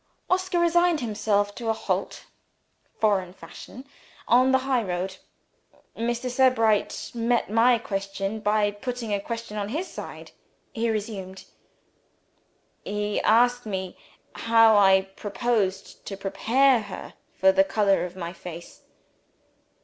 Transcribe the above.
Oscar resigned himself to a halt (foreign fashion) on the high road. "Mr. Sebright met my question by putting a question on his side," he resumed. "He asked me how I proposed to prepare her for the color of my face."